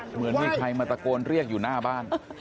เหมือนมีใครมาตะโกนเรียกอยู่หน้าบ้าน